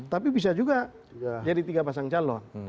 tapi bisa juga jadi tiga pasang calon